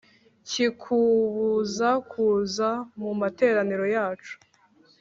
Kikubuza kuza mu materaniro yacu